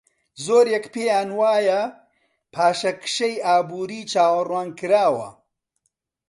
زۆرێک پێیان وایە پاشەکشەی ئابووری چاوەڕوانکراوە.